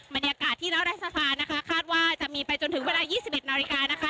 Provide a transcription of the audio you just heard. บรรยากาศที่รัฐสภานะคะคาดว่าจะมีไปจนถึงเวลา๒๑นาฬิกานะคะ